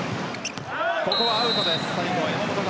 ここはアウトです。